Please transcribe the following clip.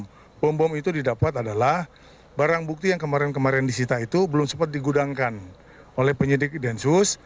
dan yang terakhir yang didapat adalah barang bukti yang kemarin kemarin disita itu belum sempat digudangkan oleh penyidik dan sus